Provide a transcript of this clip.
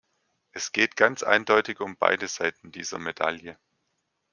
Es geht ganz eindeutig um beide Seiten dieser Medaille.